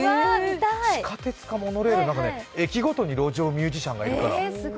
地下鉄かモノレール、駅ごとに路上ミュージシャンがいるから。